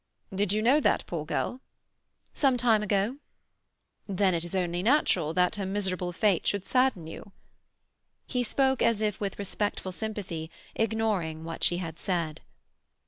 "Did you know that poor girl?" "Some time ago." "Then it is only natural that her miserable fate should sadden you." He spoke as if with respectful sympathy, ignoring what she had said.